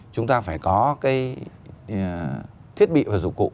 chúng ta phải có cái thiết bị và dụng cụ